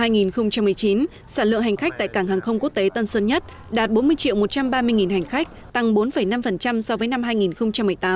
năm hai nghìn một mươi chín sản lượng hành khách tại cảng hàng không quốc tế tân sơn nhất đạt bốn mươi triệu một trăm ba mươi hành khách tăng bốn năm so với năm hai nghìn một mươi tám